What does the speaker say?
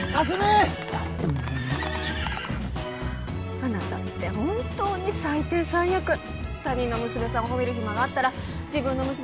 あなたって本当に最低最悪他人の娘さんを褒める暇があったら自分の娘のこと考えてよね何！？